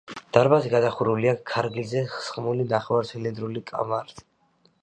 დარბაზი გადახურულია ქარგილზე სხმული, ნახევარცილინდრული კამარით.